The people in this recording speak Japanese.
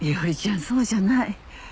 そうじゃない。